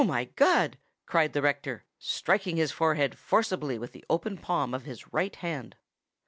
my God!" cried the rector, striking his forehead forcibly with the open palm of his right hand.